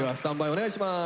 お願いします。